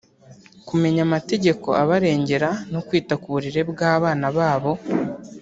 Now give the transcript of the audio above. kumenya amategeko abarengera no kwita ku burere bw’abana babo